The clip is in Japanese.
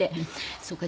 そうか。